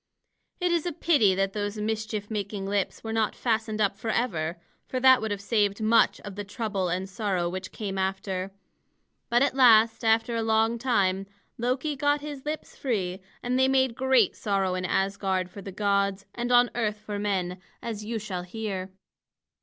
It is a pity that those mischief making lips were not fastened up forever; for that would have saved much of the trouble and sorrow which came after. But at last, after a long time, Loki got his lips free, and they made great sorrow in Asgard for the gods and on earth for men, as you shall hear.